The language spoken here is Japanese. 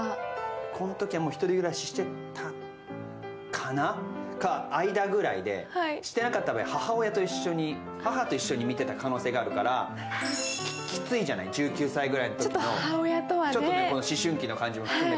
このときはもう１人暮らししてたかな、それか間ぐらいでしてなかった場合、母と一緒に見てた可能性があるから、きついじゃない、１９歳ぐらいのときの、思春期の感じも含めて。